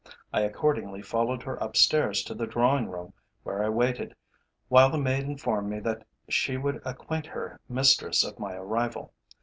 I accordingly followed her upstairs to the drawing room where I waited, while the maid informed me that she would acquaint her mistress of my arrival.